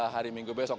hari minggu besok